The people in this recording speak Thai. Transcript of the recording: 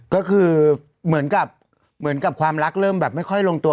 ก็คือเหมือนกับความรักเริ่มแบบไม่ค่อยลงตัว